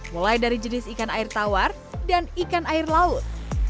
mulai dari jenis ikan air tawar dan ikan air laut